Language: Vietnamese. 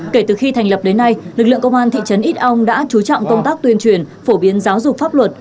kể từ khi thành lập đến nay lực lượng công an thị trấn ít âu đã chú trọng công tác tuyên truyền phổ biến giáo dục pháp luật